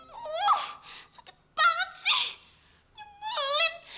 wah sakit banget sih nyemulin